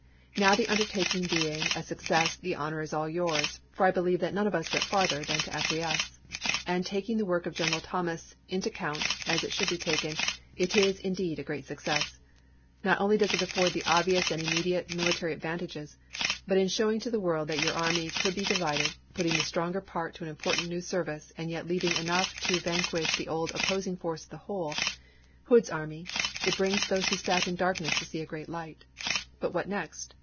Now, the undertaking being a success, the honor is all yours, for I believe none of us went farther than to acquiesce. And taking the work of General Thomas into the count, as it THE MABCH TO THE SEA 495 should be taken, it is, indeed, a great success. Not chap.xx. only does it afford the obvious and immediate mili tary advantages, but in showing to the world that your army could be divided, putting the stronger part to an important new service, and yet leaving enough to vanquish the old opposing force of the whole — Hood's army — it brings those who sat in darkness to see a great light. But what next